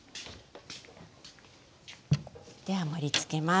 では盛りつけます。